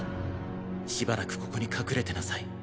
しばらくここに隠れてなさい。